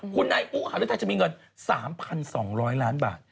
คุณนายอุหารุทัยจะมีเงิน๓๒๐๐ล้านบาท